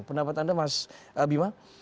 pendapat anda mas bima